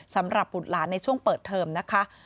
สำหรับบุตรหลานในช่วงเปิดเทอมนะคะ